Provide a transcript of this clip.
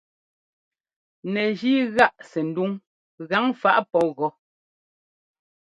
Mɛgíi gáꞌ sɛndúŋ gaŋfaꞌ pɔ́ gɔ́.